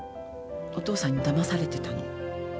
お父さんにだまされてたの。